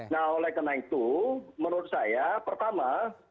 nah oleh karena itu menurut saya pertama